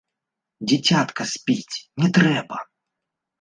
Дзіцятка спіць, не трэба!